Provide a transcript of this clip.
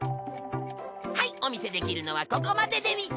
はいお見せできるのはここまででうぃす！